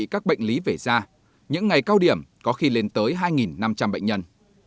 các bệnh lý về da những ngày cao điểm có khi lên tới hai năm trăm linh bệnh nhân